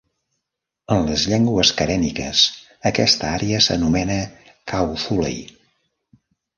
En les llengües karèniques, aquesta àrea s'anomena Kawthoolei.